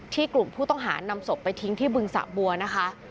กลุ่มผู้ต้องหานำศพไปทิ้งที่บึงสะบัวนะคะ